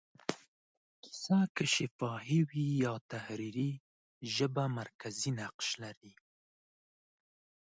کیسه که شفاهي وي یا تحریري، ژبه مرکزي نقش لري.